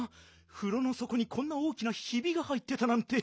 ふろのそこにこんな大きなひびが入ってたなんて。